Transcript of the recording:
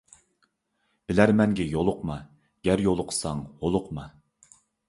بىلەرمەنگە يولۇقما، گەر يولۇقساڭ ھولۇقما.